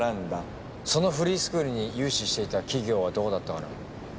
そのフリースクールに融資していた企業はどこだったかな？